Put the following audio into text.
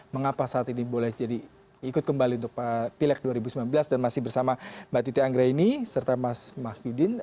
mengapa saat ini boleh jadi ikut kembali untuk pileg dua ribu sembilan belas dan masih bersama mbak titi anggraini serta mas mahyudin